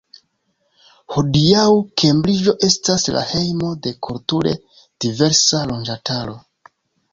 Hodiaŭ, Kembriĝo estas la hejmo de kulture diversa loĝantaro.